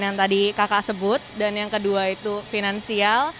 yang tadi kakak sebut dan yang kedua itu finansial